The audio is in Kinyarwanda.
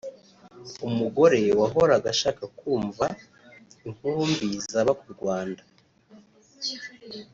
umugore wahoraga ashaka kumva inkuru mbi zaba ku Rwanda